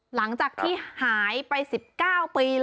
หลังจากที่หายไป๑๙ปี